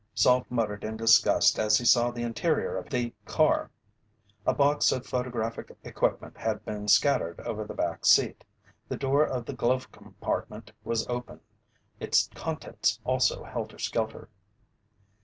Salt muttered in disgust as he saw the interior of the car. A box of photographic equipment had been scattered over the back seat. The door of the glove compartment was open, its contents also helter skelter.